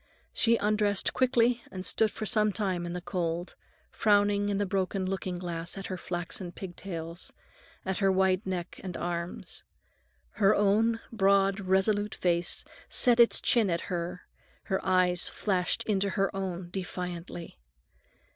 She undressed quickly and stood for some time in the cold, frowning in the broken looking glass at her flaxen pig tails, at her white neck and arms. Her own broad, resolute face set its chin at her, her eyes flashed into her own defiantly.